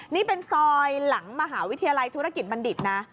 นี่เป็นซอยหลังมหาวิทยาลัยธุรกิจบัณฑิตนะ